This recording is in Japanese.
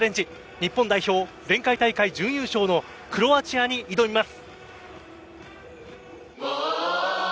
日本代表、前回大会準優勝のクロアチアに挑みます。